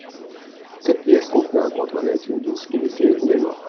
Cette pièce contenait un coin toilette, une douche, des WC et une baignoire